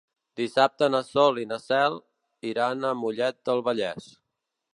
Dissabte na Sol i na Cel iran a Mollet del Vallès.